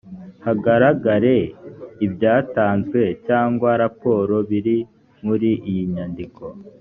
hagaragare ibyatanzwe cyangwa raporo biri muri iyi nyandiko